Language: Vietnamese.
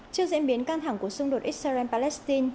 trước diễn biến căng thẳng của xung đột israel palestine